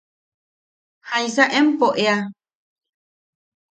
¿Jaisa empo ea?